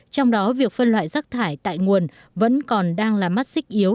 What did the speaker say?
trong đó việc phân loại rác thải tại nguồn vẫn còn đang là mắt xích yếu